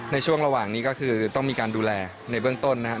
ในช่วงระหว่างนี้ก็คือต้องมีการดูแลในเบื้องต้นนะครับ